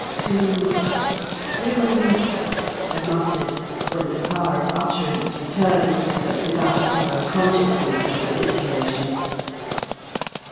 "Doomed! doomed!" he muttered, when the ppwer of utterance returned, but without thorough consciousness of the situation.